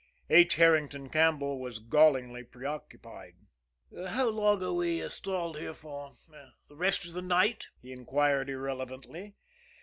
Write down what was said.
H. Herrington Campbell was gallingly preoccupied. "How long are we stalled here for the rest of the night?" he inquired irrelevantly.